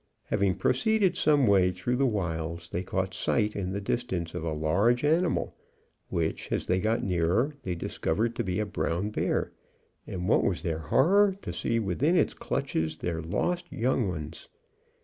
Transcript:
Having proceeded some way through the wilds, they caught sight in the distance of a large animal, which, as they got nearer, they discovered to be a brown bear; and what was their horror to see within its clutches their lost young ones!